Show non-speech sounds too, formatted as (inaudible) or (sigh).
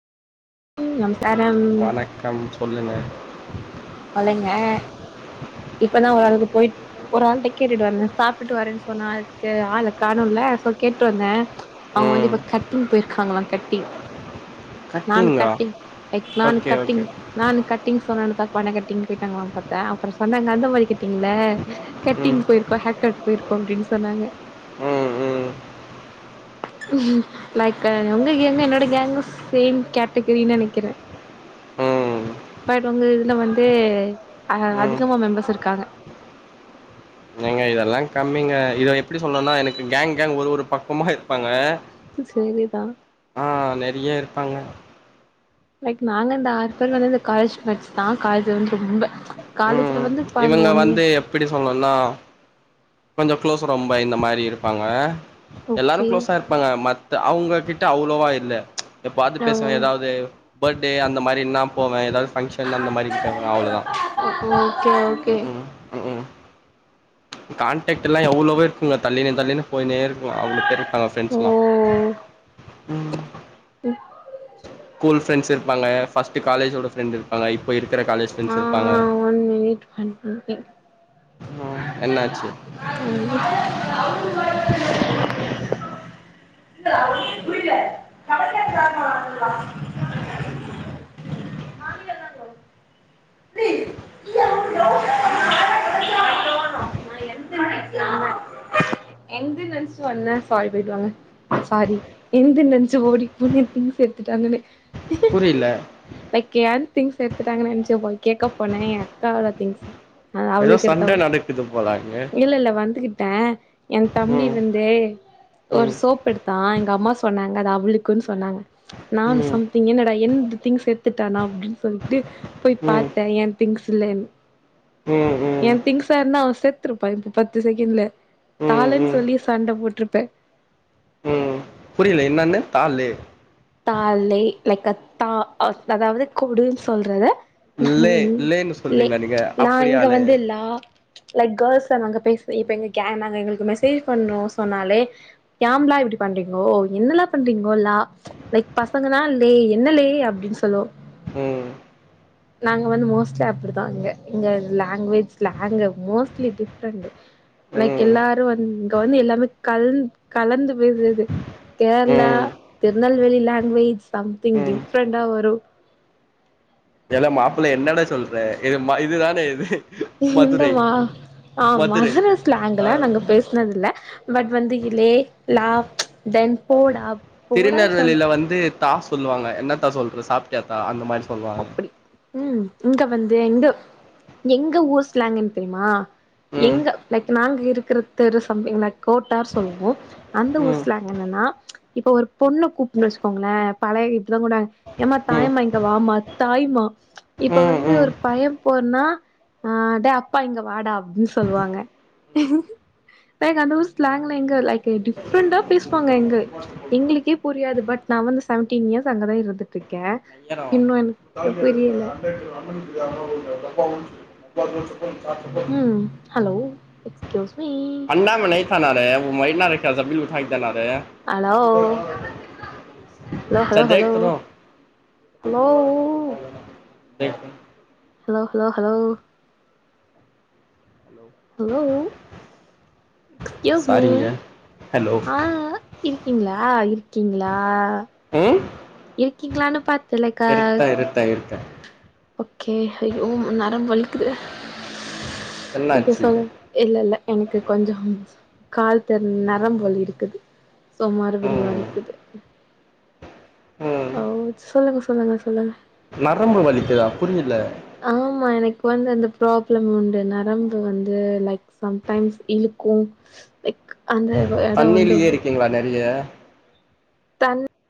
ம் நமஸ்காரம் கம் சொல்லுங்க சொழுங்க இப்பதா ஒரு அளவுக்கு போய் ஒரு ஆள்ட்ட கேட்டுட்டு வந்தேன சாப்பிட்டு வரேன்னு சொன்ன ஆள் ஆள காணுல்ல சோ கேட்டு வந்த அவங்க வந்து ம் இப்ப கட்டிங் போயிருக்காங்களா கட்டிங் நானு கட்டிங்கா கட்டிங் க் நானு ஓகே கட்டிங் ஓகே நான் கட்டிங் சொன்ன தப்பான கட்டிங் போயட்டாங்கள பாத்த அப்றோ சொன்னாங்க அந்தமாரி கட்டிங் இல்ல ம் கட்டிங் போய்ருக்கோ ஹேர் கட் போய்ருக்கோ அப்டின் சொன்னாங்க ம் ம் லைக் உங்க கேங்கு என்னோட கேங்கு சேம் கேட்டகரின் நினைக்கிற ம் பட் உங்க இதுல வந்து ம் அதிகமா மெம்பர்ஸ் இருக்காங்க ஏங்க இதெல்லா கம்மிங்க இத எப்டி சொல்ணுனா எனக்கு கேங் கேங் ஒரு ஒரு பக்கமா இருப்பாங்க செரி தா ஆ நெறைய இருப்பாங்க லைக் நாங்க இந்த ஆறு பேர் வந்து இந்த காலேஜ் மேட்ஸ் தா காலேஜ்ல இருந்து ரொம்ப காலேஜ்ல வந்து பாருங்க இவங்ள ஒன் இ வந்து எப்பனடி சொல்ணுனா கொஞ்சோ க்ளோஸ் ரொம்ப இந்த மாரி இருப்பாங்க எல்லாரு ஓகே குளோஸா பாங்க மத்த அவங்க கிட்ட அவ்ளோவா இல்ல எப்பவாது ஓ பேசுவே ஏதாவது பர்த்டே அந்த மாரினா போவே ஏதாது ஃபங்ஷ என் அந்த மாரி நோவ அவ்ளோதா ஓகே ஓகே ம் ம் காண்டெக்ட்லா எவ்ளவோ இருக்கு தள்ளினு தள்ளினு போய்னே இருப்ப அவ்ளோ பேர் இருக்காங்க ஓ ஃப்ரெண்ட்ஸ்லா ம் ம் ஸ்கூல் ஃப்ரெண்ட்ஸ் இருபாங்க ஃபர்ஸ்ட்ஞு காலேஜோட ஃப்ரெண்ட் இருப்பாங்க இப்பா இருக்கிற காலேஜ் ஃப்ரெண்ட்ஸ் ஆ இருப்பாங்க ஒன் மினிட் ஒன் பண்ணே என்னாச்சு ம் புரில (unintelligible) நா எந்து என்து நன்ச்சுட்டு வந்த சாரி போய்ட்டு வாங்க சாரி என்து நெனச்அசு ஓடி போயி எ திங்ஸ் எடுத்துட்டாங்கனு புரில லைக் ஏ திங்ஸ் எடுத்துட்டாங்கன் நினைச்சு போயி கேக்க போன எ அக்காவோட திங்ஸ் அ ஏதோ அவளுக்கு சண்ட எடுத்தாவ நடக்குது போல அங்க இல்ல இல்ல வந்துகிட்ட எ தம்பி ம் வந்து ஒரு ம் சோப் எடுத்தா எங்க அம்மா சொன்னாங்க அது அவுளுக்குன்னு சொன்னாங்க நானு சொ ம் திங் என்னடா எந்து திங்க்ஸ் எடுத்துட்டானா அப்டினு சொல்லிட்டு போய் ம் ம் பாத் எ திங்ஸ் இல்லேனு எ ம் திங்ஸ் திங்ஸ்சா இருந்தா அவ செத்துருப்பா இப்ப பத்து செகண்ட்ல ம் தாலன்னு ம் சொல்லி சண்ட போட்டிருப்பே புரில என்னன்னு தா ளே தாளே லக்த்தா அஸ் அதாவது கொடுன்னு சொல்றத நாங்க ல்லே இங் ல்லேன்னு லே சொல்வீங்களா நீங்க நா இங்க அப்படியாலே வந்து லா லைக் கேள்ஸ்ல நாங்க பேசி இப்ப எங்க கே நாங்க எங்களுக்கு மெசேஜ் பண்ணோ சொன்னாலே ஏம்லா இப்டி பண்றீங்கோ என்னள பண்றீங்கோ லா லைக் பசங்கன்னா லே என்ன லே அப்டின்னு சொல்லுவோ ம் நாங்க வந்து மோஸ்ட்லி அப்டித்தா இங்க இங்க language slang mostly different like ம் எல்லாரு வந் இங்க வந்து எல்லாமே கலந் கலந்து பேசுறது கேர்ளா ம் திருநெல்வேலி லாங்வேஜ் சம்திங் ம் டிஃப்ரெண்டா வரு ஏல மாப்பிள்ள என்னலே சொல்ற இது இதுதானே இது இந்த மதுரை மா ஆ மதுரை மதுர ஆ ஸ்லாங்க்ல நாங்க பேசினதில்ல பட் வந்து இலே லா தென் போடாப் திருநெல்வேலில வந்து தா சொல்லுவாங்க என்ன தா சொல்ற சாப்டியா தா அந்த மாரி சொல்லுவாங்க அப்டி ம் இங்க வந்து எங்க எங்க ஊர் ஸ்லாங் என்ன தெரியுமா ம் எங்க லைக் நாங்க இருக்கிற தெரு சம்திங் லக் கோட்டார் சொல்வோ அந்த ஊர் ம் ஸ்லாங் என்னன்னா இப்ப ஒரு பொண்ணு கூப்புன்னு வச்சுக்கோங்களே பழைய இதுலகூட ஏமா ம் தாயம்மா இங்க வாமா தாய்மா இப்ப ம் வந்து ம் ஒரு பைய போர்னா ஆ டே அப்பா இங்க வாடா அப்டின்னு சொல்லுவாங்க ம் லைக் அந்த ஒரு ஸ்லாங்ல எங்க லைக் டிஃப்ரெண்டா பேசுவாங்க எங்க எங்களுக்கே புரியாது பட் நா வந்து சவன்டீன் இயர்ஸ் அங்கதா இருந்துட்டு இருக்கே ஏரோ இன்னு எனக்கு புரியல (inaudible) ம் hello excuse me (unintelligible) hello hello hello sir தேக் கரோ ஹலோ தேக் hello hello hello hello excuse me சாரிங்க ஹலோ ஆ இருக்கீங்களா இருக்கீங்களா ம் இருக்கீங்களான்னு பாத் இருத்த இருத்த இருக்கே ஓகே ஐயோ நரம்பு வலிக்குது ஓகே என்னாச்சு சொல்ங் இல்ல இல்ல எனக்கு கொஞ்சம் கால் திற நரம்பு வலி இருக்குது சோ மறுபடியு ம் வலிக்குது ம் ஓ சொல்லுங்க சொல்லுங்க சொல்லுங்க நரம்பு வலிக்குதா புரியல்ல ஆமா எனக்கு வந்து அந்த ப்ராப்ளம் உண்டு நரம்பு வந்து லைக் சம் டைம்ஸ் இழுக்கு லைக் அந்த எடம் வந்து தண்ணிலியே இருக்கீங்களா நெறைய தண்